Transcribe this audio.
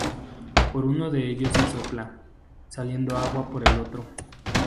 Por uno de ellos se sopla, saliendo agua por el otro.